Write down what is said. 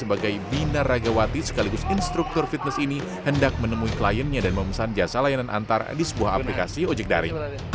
sebagai binar ragawati sekaligus instruktur fitness ini hendak menemui kliennya dan memesan jasa layanan antar di sebuah aplikasi ojek daring